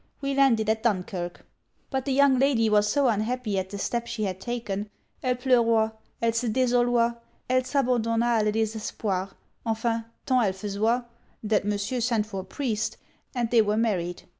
We landed at Dunkirk; but the young lady was so unhappy at the step she had taken, elle pleuroit, elle se desoloit, elle s'abandonna a le desespoir enfin, tant elle faisoit, that Monsieur sent for a priest, and they were married.